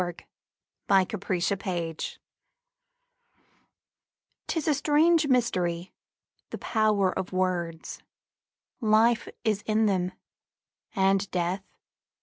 The Power of Words 'TIS a strange mystery, the power of words! Life is in them, and death.